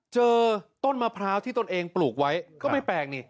เจอต้นมะพร้าวที่ตนเองปลูกไว้ก็ไม่แปลกนี่